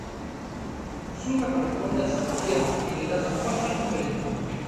Zulma corresponde a Salvaterra y le da su faja en prenda.